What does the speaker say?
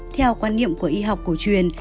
theo quan niệm của y học cổ truyền